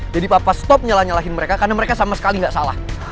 papa stop nyalah nyalahin mereka karena mereka sama sekali nggak salah